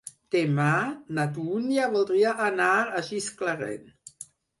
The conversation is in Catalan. Demà na Dúnia voldria anar a Gisclareny.